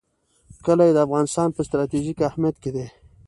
کلي د افغانستان په ستراتیژیک اهمیت کې دي.